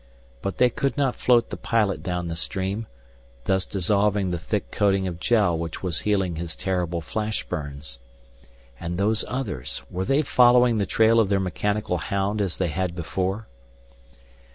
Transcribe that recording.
But they could not float the pilot down the stream, thus dissolving the thick coating of gel which was healing his terrible flash burns. And Those Others, were they following the trail of their mechanical hound as they had before?